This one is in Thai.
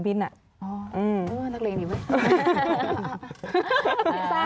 พี่ซ่าว่าไงคะ